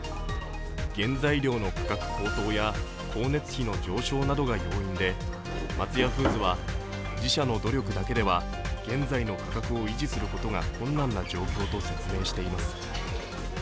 原材料の価格高騰や光熱費の上昇などが要因で松屋フーズは自社の努力だけでは現在の価格を維持することが困難な状況と説明しています。